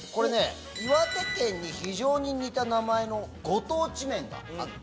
岩手県に非常に似た名前のご当地麺があって。